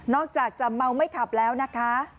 จากจะเมาไม่ขับแล้วนะคะ